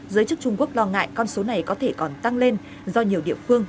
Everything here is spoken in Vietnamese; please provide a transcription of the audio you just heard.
giới chức trung quốc lo ngại con số này có thể còn tăng lên do nhiều địa phương